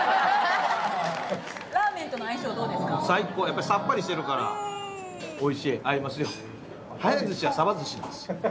やっぱりさっぱりしてるからおいしい合いますよ。